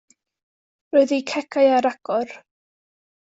Roedd eu cegau ar agor.